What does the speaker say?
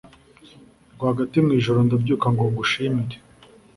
rwagati mu ijoro ndabyuka ngo ngushimire